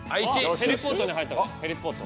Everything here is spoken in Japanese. ヘリポートに入ったヘリポート。